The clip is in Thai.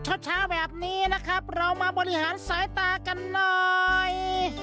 เช้าแบบนี้นะครับเรามาบริหารสายตากันหน่อย